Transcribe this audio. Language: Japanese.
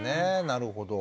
なるほど。